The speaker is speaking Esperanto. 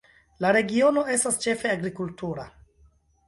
La regiono estas ĉefe agrikultura.